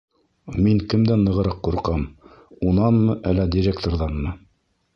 Мин кемдән нығыраҡ ҡурҡам: Унанмы, әллә директорҙанмы?